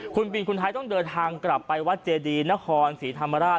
คุณบินคุณไทยต้องเดินทางกลับไปวัดเจดีนครศรีธรรมราช